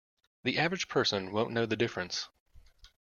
The average person won't know the difference.